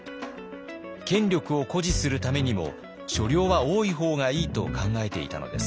権力を誇示するためにも所領は多いほうがいいと考えていたのです。